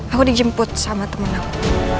aku dijemput sama temen aku